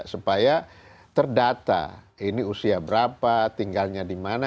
supaya terdata ini usia berapa tinggalnya di mana